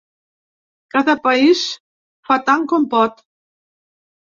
Cada país fa tant com pot.